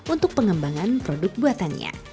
untuk pengembangan produk buatannya